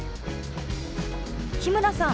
日村さん